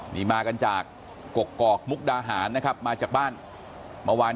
นี่มากันจากกกอกมุกดาหารนะครับมาจากบ้านเมื่อวาน